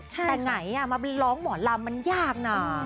แต่ไหนมาร้องหมอลำมันยากนะ